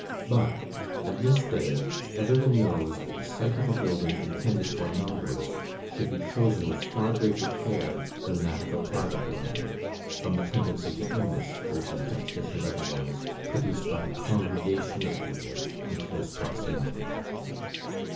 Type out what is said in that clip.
But at this day, every one knows that the site of a building intended for numbers should be chosen with far greater care than that of a private dwelling, from the tendency to illness, both infectious and otherwise, produced by the congregation of people in close proximity.